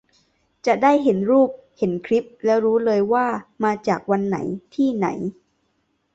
จะได้เห็นรูปเห็นคลิปแล้วรู้เลย ว่ามาจากวันไหน ที่ไหน